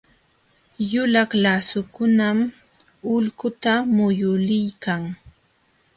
Yulaq lasukunam ulquta muyuliykan.